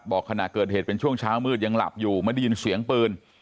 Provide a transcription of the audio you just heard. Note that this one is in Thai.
ขณะเกิดเหตุเป็นช่วงเช้ามืดยังหลับอยู่ไม่ได้ยินเสียงปืน